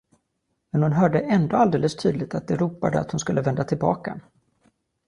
Men hon hörde ändå alldeles tydligt att det ropade att hon skulle vända tillbaka.